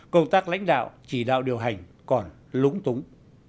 công tác lãnh đạo chỉ đạo điều hành còn lúng túng